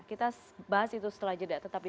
kita bahas itu setelah jeda tetapi